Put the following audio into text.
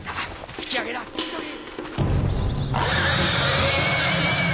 引き揚げだ急げ！